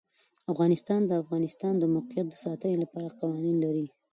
افغانستان د د افغانستان د موقعیت د ساتنې لپاره قوانین لري.